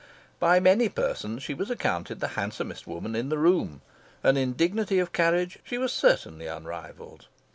By many persons she was accounted the handsomest woman in the room, and in dignity of carriage she was certainly unrivalled.